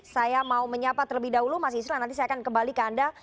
saya mau menyapa terlebih dahulu mas yusran nanti saya akan kembali ke anda